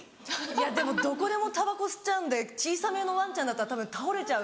いやでもどこでもたばこ吸っちゃうんで小さめのワンちゃんだったらたぶん倒れちゃう。